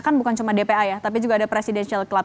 kan bukan cuma dpa ya tapi juga ada presidential club